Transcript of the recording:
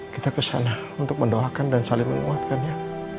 kita kesana untuk mendoakan dan saling menguatkannya